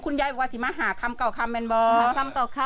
คุณย้ายว่าที่มหาคำเก่าคำมันไหม